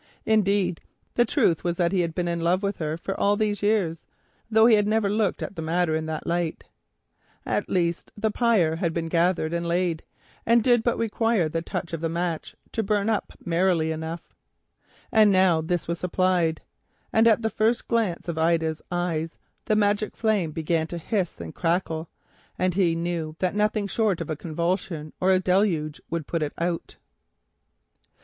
Indeed the truth was that he had been in love with her for all these years, though he had never looked at the matter in that light. At the least the pile had been gathered and laid, and did but require a touch of the match to burn up merrily enough. And now this was supplied, and at the first glance of Ida's eyes the magic flame began to hiss and crackle, and he knew that nothing short of a convulsion or a deluge would put it out.